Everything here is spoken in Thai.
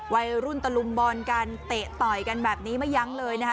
วัยรุ่นตะลุมบอลกันเตะต่อยกันแบบนี้ไม่ยั้งเลยนะคะ